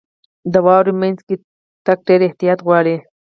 • د واورې مینځ کې تګ ډېر احتیاط غواړي.